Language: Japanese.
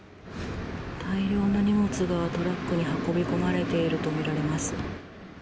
大量の荷物がトラックに運び込まれていると見られます。